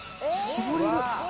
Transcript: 絞れる。